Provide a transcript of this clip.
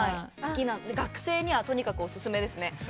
学生にはとにかくおすすめですね。